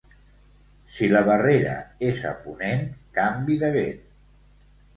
Si la barrera és a ponent, canvi de vent.